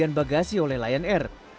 usaha ini adalahkampungan di